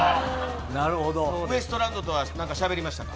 ウエストランドとは何か、しゃべりましたか。